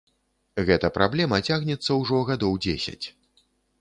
Гэта праблема цягнецца ўжо гадоў дзесяць.